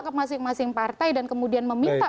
ke masing masing partai dan kemudian meminta